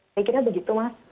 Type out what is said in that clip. saya kira begitu mas